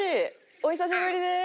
お久しぶりです。